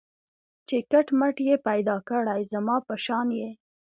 چي کټ مټ یې پیدا کړی زما په شان یې